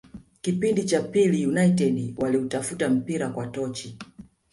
Kipindi cha pili United waliutafuta mpira kwa tochi